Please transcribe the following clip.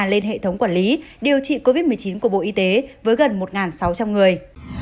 lên hệ thống quản lý điều trị covid một mươi chín của bộ y tế với gần một sáu trăm linh người